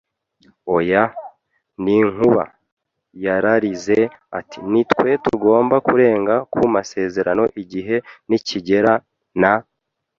“Oya, n'inkuba!” yararize. Ati: “Ni twe tugomba kurenga ku masezerano igihe nikigera; na